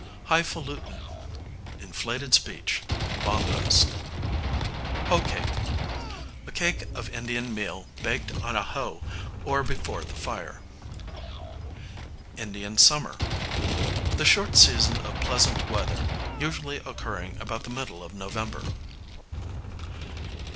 High falutin, inflated speech, bombast. Hoe cake, a cake of Indian meal baked on a hoe or before the fire. Indian summer, the short season of pleasant weather usually occurring about the middle of November.